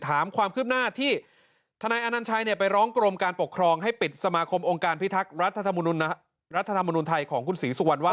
ถามความคืบหน้าที่ธนายอนัญชัยไปร้องกรมการปกครองให้ปิดสมาคมองค์การพิทักษ์รัฐธรรมนุนไทยของคุณศรีสุวรรณว่า